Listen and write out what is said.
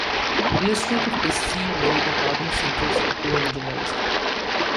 Illustrative is C where the carbon centres are pyramidalized.